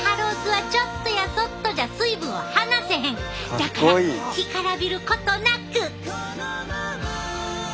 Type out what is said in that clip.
だから干からびることなく。